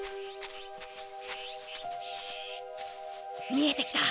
見えてきた。